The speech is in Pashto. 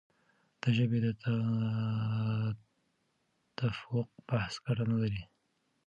د ژبې د تفوق بحث ګټه نه لري.